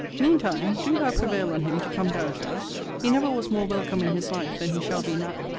Mean time, do thou prevail on him to come down to us: he never was more welcome in his life than he shall be now.